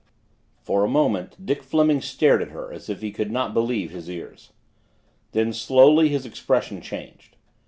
For a moment Dick Fleming stared at her as if he could not believe his ears. Then, slowly, his expression changed.